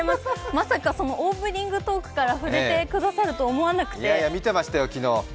まさかオープニングトークから振ってくださるとは思わなくて。